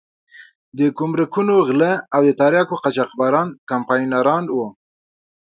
د ګمرکونو غله او د تریاکو قاچاقبران کمپاینران وو.